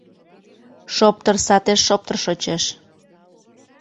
Шоптыр сатеш шоптыр шочеш: